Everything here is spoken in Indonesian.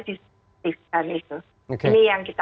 distriktifkan itu ini yang kita